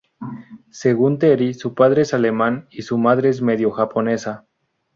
Según Teri, su padre es alemán y su madre es medio-japonesa.